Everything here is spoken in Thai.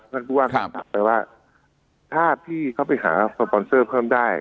เพราะฉะนั้นพูดว่าถ้าพี่เขาไปหาฟอร์ปออนเซอร์เพิ่มได้